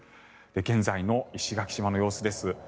現在の石垣島の様子です。